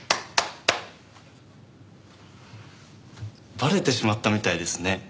バレてしまったみたいですね。